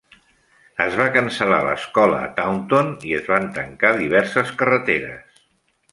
Es va cancel·lar l'escola a Taunton i es van tancar diverses carreteres.